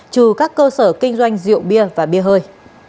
trừ các cơ sở kinh doanh rượu bia và bia hơi